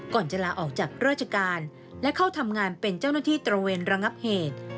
ก่อนจะลาออกจากราชการและเข้าทำงานเป็นเจ้าหน้าที่ตระเวนระงับเหตุ